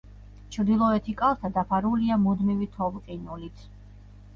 ჩრდილოეთი კალთა დაფარულია მუდმივი თოვლ-ყინულით.